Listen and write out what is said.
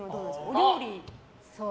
お料理。